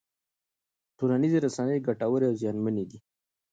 ټولنیزې رسنۍ ګټورې او زیانمنې دي.